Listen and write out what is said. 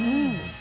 うん。